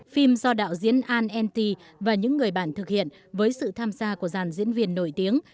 phim do đạo diễn an nent và những người bạn thực hiện với sự tham gia của dàn diễn viên nổi tiếng